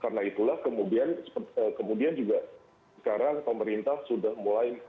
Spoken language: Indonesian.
karena itulah kemudian juga sekarang pemerintah sudah mulai